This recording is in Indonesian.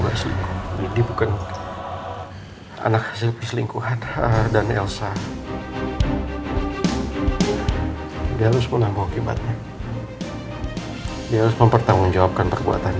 anak anak selingkuhan dan elsa dia harus menanggung kebatnya dia mempertanggungjawabkan perbuatan